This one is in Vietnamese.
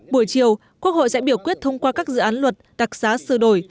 buổi chiều quốc hội sẽ biểu quyết thông qua các dự án luật đặc xá sửa đổi